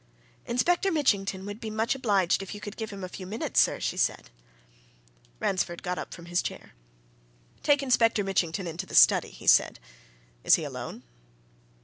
"Inspector Mitchington would be much obliged if you could give him a few minutes, sir," she said. Ransford got up from his chair. "Take Inspector Mitchington into the study," he said. "Is he alone?"